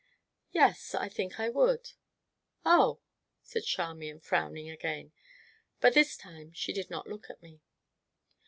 "Yes, I think I would." "Oh!" said Charmian, frowning again, but this time she did not look at me.